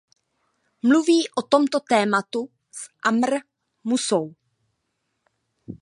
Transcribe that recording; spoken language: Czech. Mluvím o tomto tématu s Amr Moussou.